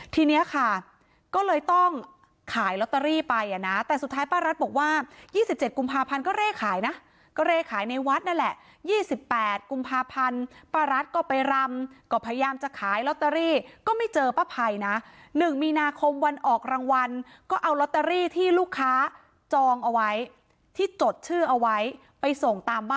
ทีนี้ค่ะก็เลยต้องขายลอตเตอรี่ไปอ่ะนะแต่สุดท้ายป้ารัฐบอกว่า๒๗กุมภาพันธ์ก็เร่ขายนะก็เร่ขายในวัดนั่นแหละ๒๘กุมภาพันธ์ป้ารัฐก็ไปรำก็พยายามจะขายลอตเตอรี่ก็ไม่เจอป้าไพรนะ๑มีนาคมวันออกรางวัลก็เอาลอตเตอรี่ที่ลูกค้าจองเอาไว้ที่จดชื่อเอาไว้ไปส่งตามบ